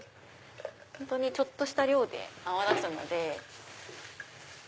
本当にちょっとした量で泡立つので。